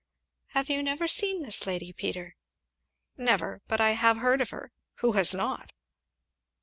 "Have you ever seen this lady, Peter?" "Never, but I have heard of her who has not?"